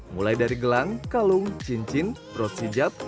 mulai dari gelang kalung cincin pros hijab